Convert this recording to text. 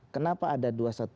kenapa ada dua ratus dua belas